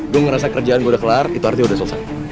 gue ngerasa kerjaan gue udah kelar itu artinya udah selesai